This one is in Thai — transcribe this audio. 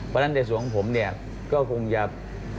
เพราะฉะนั้นในสู่งค์ของผม